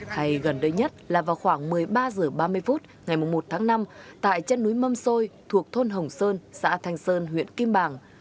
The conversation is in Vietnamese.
hay gần đây nhất là vào khoảng một mươi ba h ba mươi phút ngày một tháng năm tại chân núi mâm xôi thuộc thôn hồng sơn xã thành sơn huyện kim bàng